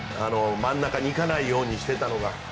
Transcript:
真ん中に行かないようにしていたのが。